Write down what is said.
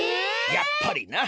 やっぱりな。